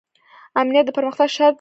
امنیت د پرمختګ شرط دی